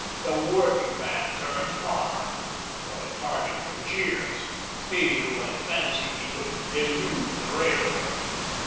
The workingman turned farmer! What a target for jeers he who had fancied he could elude the Railroad!